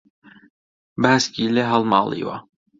باسکی لێ هەڵماڵیوە